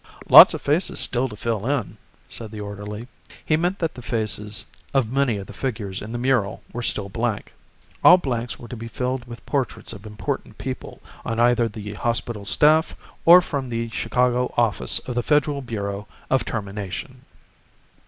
"Lot of faces still to fill in," said the orderly. He meant that the faces of many of the figures in the mural were still blank. All blanks were to be filled with portraits of important people on either the hospital staff or from the Chicago Office of the Federal Bureau of Termination.